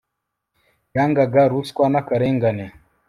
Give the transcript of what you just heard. yangaga ruswa n akarengane